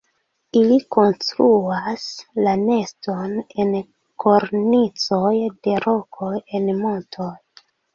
Ili konstruas la neston en kornicoj de rokoj en montoj.